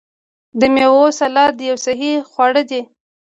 د میوو سلاد یو صحي خواړه دي.